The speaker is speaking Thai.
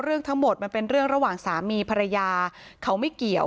เรื่องทั้งหมดมันเป็นเรื่องระหว่างสามีภรรยาเขาไม่เกี่ยว